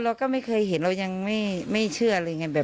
เราก็ไม่เคยเห็นเรายังไม่เชื่ออะไรอย่างนี้